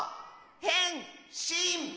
へんしん！